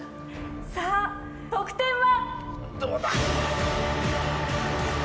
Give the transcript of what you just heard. さあ得点は？